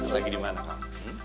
lagi di mana mam